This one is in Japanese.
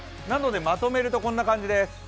まとめると、こんな感じです。